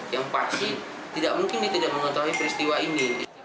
yang pasti tidak mungkin ditidak mengetahui peristiwa ini